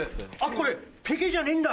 これ「ペケ」じゃねえんだ。